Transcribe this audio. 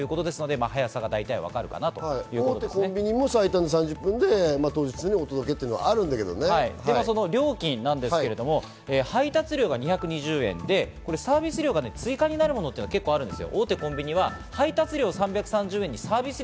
大手コンビニも最短３０分で当日中にお届けというのはあるんですが、料金は配達料２２０円でサービス料が追加になるものは結構あるんですよ。